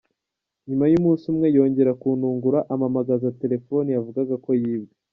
Nyuma y’umunsi umwe yongera kuntungura ampamamagaza telefoni yavugaga ko yibwe."